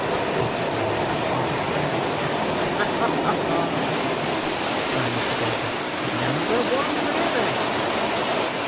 It's number one." "Ha! ha!" cried Mr. Bolter. "Number one for ever."